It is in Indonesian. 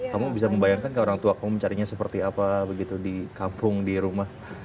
kamu bisa membayangkan nggak orang tua kamu mencarinya seperti apa begitu di kampung di rumah